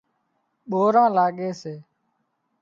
ٻوران لاڳي سي